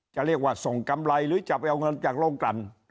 จะเรียกว่าส่งกำไรหรือจะไปเอาเงินจากโรงกลั่น